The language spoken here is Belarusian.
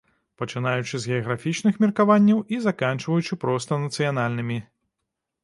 Пачынаючы з геаграфічных меркаванняў і заканчваючы проста нацыянальнымі.